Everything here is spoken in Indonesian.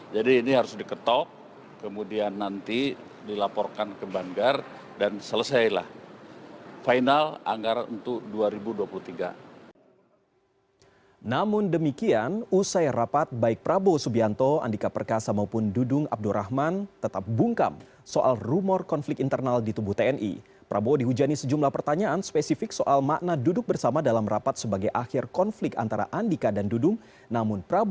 jadi ini harus diketok kemudian nanti dilaporkan ke banggar dan selesailah final anggaran untuk dua ribu dua puluh tiga